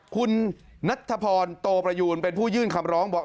คุณนัทธพรโตประยูนเป็นผู้ยื่นคำร้องบอก